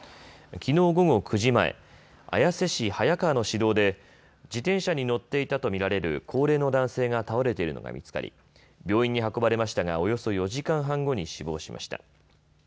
きのう午後９時前、綾瀬市早川の市道で自転車に乗っていたと見られる高齢の男性が倒れているのが見つかり病院に運ばれましたがおよそ４時間半後に死亡しました。